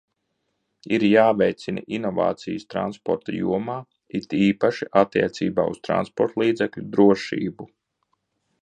Ir jāveicina inovācijas transporta jomā, it īpaši attiecībā uz transportlīdzekļu drošību.